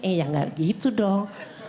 eh ya nggak gitu dong